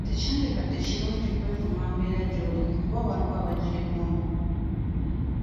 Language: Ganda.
Tekyandibadde kirungi kwevuma mbeera gy'olimu kuba waliwo abagyegomba.